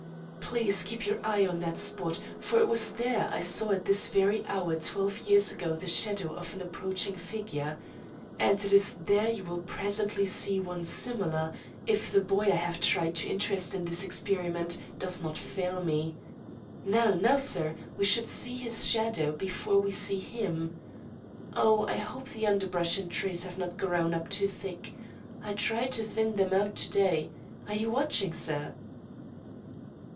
Please keep your eyes on that spot, for it was there I saw at this very hour twelve years ago the shadow of an approaching figure; and it is there you will presently see one similar, if the boy I have tried to interest in this experiment does not fail me. Now, now, sir! We should see his shadow before we see him. Oh, I hope the underbrush and trees have not grown up too thick! I tried to thin them out to day. Are you watching, sir?"